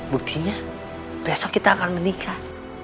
buktinya besok kita akan menikah